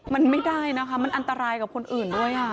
มันไม่ได้นะคะมันอันตรายกับคนอื่นด้วย